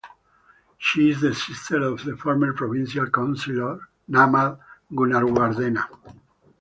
She is the sister of former provincial councillor Namal Gunawardena.